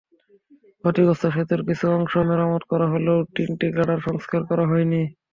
ক্ষতিগ্রস্ত সেতুর কিছু অংশ মেরামত করা হলেও তিনটি গার্ডার সংস্কার করা হয়নি।